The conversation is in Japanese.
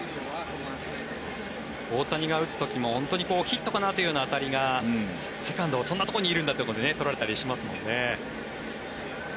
大谷が打つ時もヒットかなという当たりがセカンドそんなところにいるんだととられたりしますからね。